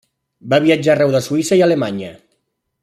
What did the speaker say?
Va viatjar arreu de Suïssa i Alemanya.